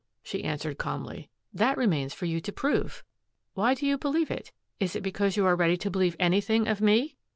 she answered calmly. "That remains for you to prove. Why do you believe it? Is it because you are ready to believe anything of me!"